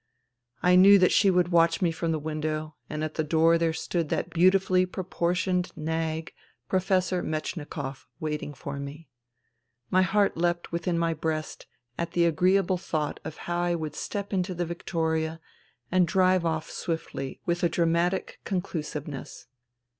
I knew that she would watch me from the window, and at the door there stood that beautifully proportioned nag " Professor Metchnikoff,'* waiting for me. My heart leapt within my breast at the agreeable thought of how I would step into the victoria and drive off swiftly with a dramatic conclusiveness.